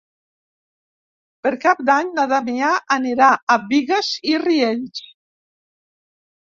Per Cap d'Any na Damià anirà a Bigues i Riells.